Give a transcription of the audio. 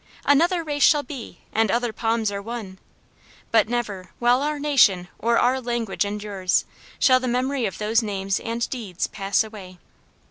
"Another race shall be, and other palms are won," but never, while our nation or our language endures, shall the memory of those names and deeds pass away.